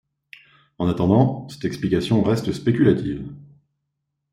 En attendant, cette explication reste spéculative.